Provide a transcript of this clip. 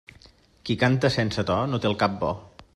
Qui canta sense to no té el cap bo.